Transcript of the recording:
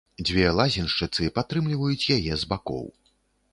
Дзве лазеншчыцы падтрымліваюць яе з бакоў.